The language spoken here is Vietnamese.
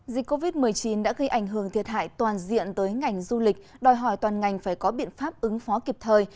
dịch covid một mươi chín đã gây ảnh hưởng thiệt hại toàn diện tới ngành du lịch đòi hỏi toàn ngành phải có biện pháp ứng phó kịp thời